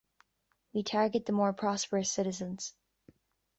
We target the more prosperous citizens.